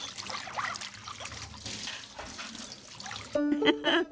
ウフフフ。